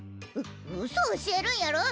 う嘘教えるんやろ。